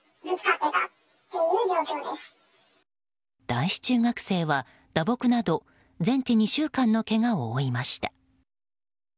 男子中学生は打撲など全治２週間のけがを負いました。